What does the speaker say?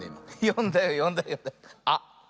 よんだよよんだよよんだよ。あっみて。